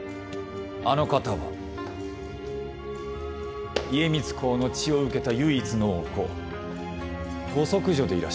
あの方は家光公の血を受けた唯一のお子ご息女でいらっしゃる。